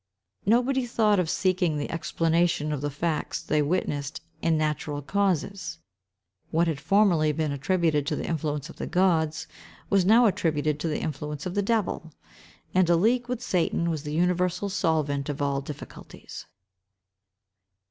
Nobody thought of seeking the explanation of the facts they witnessed in natural causes; what had formerly been attributed to the influence of the gods, was now attributed to the influence of the devil; and a league with Satan was the universal solvent of all difficulties.